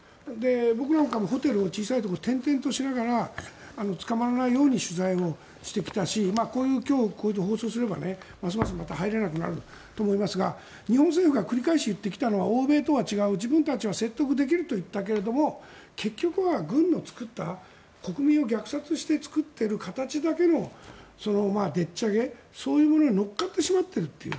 僕なんかもホテル、小さいところを転々としながら捕まらないように取材をしてきたしこういう今日、放送をすればますますまた入れなくなると思いますが日本政府が繰り返し言ってきたのは欧米とは違う自分たちは説得できると言ったけれども結局は軍の作った国民を虐殺して作っている形だけのでっち上げそういうものに乗っかってしまっているという。